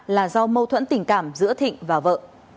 là do mâu thuẫn tình cảm giữa thịnh và vợ